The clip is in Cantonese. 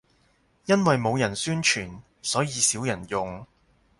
因為冇人宣傳，所以少人用